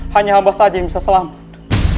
hanya hamba saja yang bisa selamat